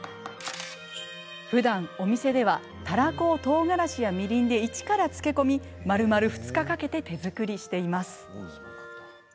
ふだん、お店ではたらこをとうがらしや、みりんで一から漬け込みまるまる２日かけて手作りしています。